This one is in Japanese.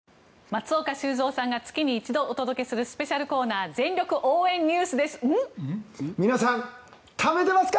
松岡修造さんが月に一度お届けするスペシャルコーナー全力応援ＮＥＷＳです。